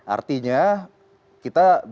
artinya kita bisa jadi mengurangi